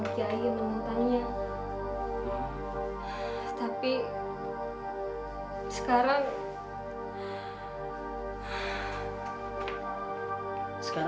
mereka telah menghancurkan nama baik kami